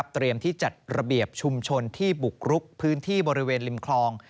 ที่จัดระเบียบชุมชนที่บุกรุกพื้นที่บริเวณริมคลอง